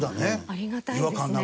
ありがたいですね。